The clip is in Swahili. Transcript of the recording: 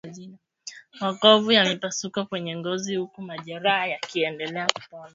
Makovu na mipasuko kwenye ngozi huku majeraha yakiendelea kupona